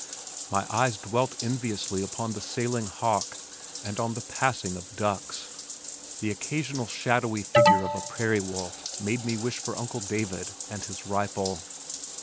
My eyes dwelt enviously upon the sailing hawk, and on the passing of ducks. The occasional shadowy figure of a prairie wolf made me wish for Uncle David and his rifle.